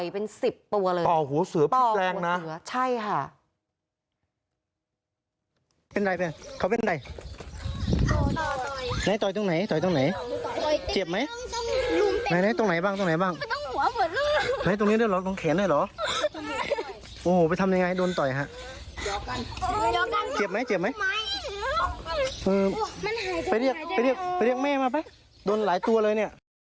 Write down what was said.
ไปเรียกเม่มาไปโดนหลายตัวเลยเนี่ย